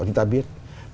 chúng ta biết